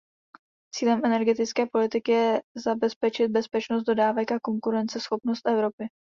Cílem energetické politiky je zabezpečit bezpečnost dodávek a konkurenceschopnost Evropy.